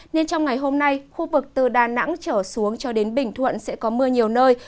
nên trong ngày hôm nay khu vực từ đà nẵng trở xuống cho đến bình thuận sẽ có mưa nhiều nơi